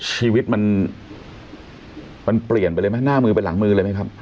ชีวิตมันเปลี่ยนไปเลยไหมหน้ามือไปหลังมือเลยไหมครับ